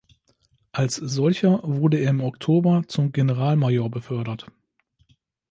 Als solcher wurde er im Oktober zum Generalmajor befördert.